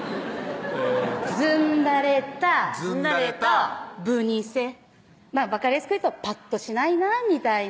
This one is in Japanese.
えぇずんだれたずんだれたぶにせ分かりやすく言うとパッとしないなみたいな